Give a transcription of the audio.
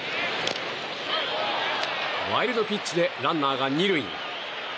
ワイルドピッチでランナーが２塁に。